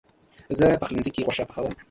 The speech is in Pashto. زه پخلنځي کې غوښه پخوم.